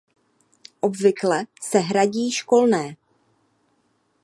Obvykle se hradí školné.